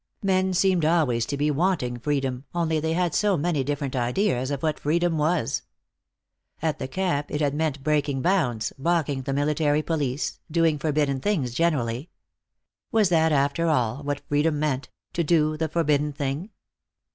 Men seemed always to be wanting freedom, only they had so many different ideas of what freedom was. At the camp it had meant breaking bounds, balking the Military Police, doing forbidden things generally. Was that, after all, what freedom meant, to do the forbidden thing?